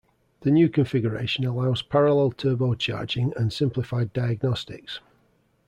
The new configuration allows parallel turbo charging and simplified diagnostics.